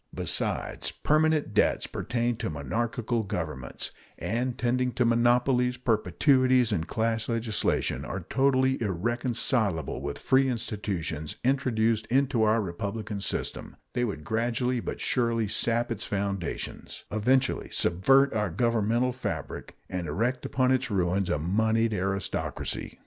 Besides, permanent debts pertain to monarchical governments, and, tending to monopolies, perpetuities, and class legislation, are totally irreconcilable with free institutions introduced into our republican system, they would gradually but surely sap its foundations, eventually subvert our governmental fabric, and erect upon its ruins a moneyed aristocracy.